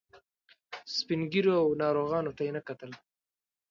سپین ږیرو او ناروغانو ته یې نه کتل.